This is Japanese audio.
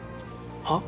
はっ？